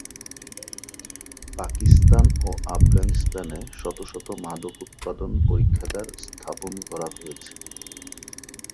পাকিস্তান ও আফগানিস্তানে শত শত মাদক উৎপাদন পরীক্ষাগার স্থাপন করা হয়েছে।